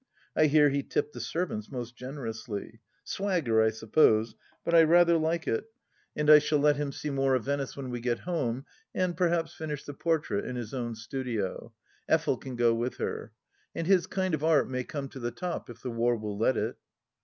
I hear he tipped the servants most generously. Swagger, I suppose, but I rather like it, and I 104 THE LAST DITCH shall let him see more of Venice when we get home, and perhaps finish the portrait in his own studio. Effel can go with her. And his kind of art may come to the top — if the war will let it.